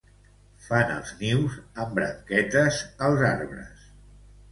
Fan els nius amb branquetes als arbres.